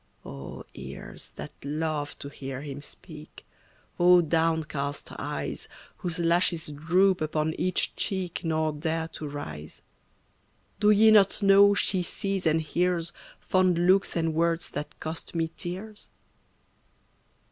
O ears, that love to hear him speak; O downcast eyes, Whose lashes droop upon each cheek, Nor dare to rise; Do ye not know she sees and hears Fond looks and words that cost me tears?